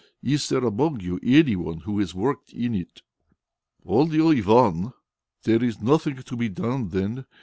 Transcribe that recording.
Is there among you any one who has worked in it?" "Only old Ivan." "There is nothing to be done then.